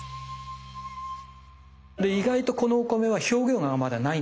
で意外とこのお米は表現がまだないんですね。